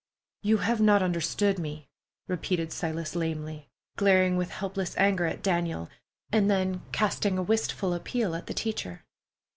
"You have not understood me," repeated Silas lamely, glaring with helpless anger at Daniel, and then casting a wistful appeal at the teacher.